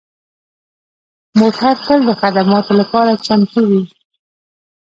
موټر تل د خدماتو لپاره چمتو وي.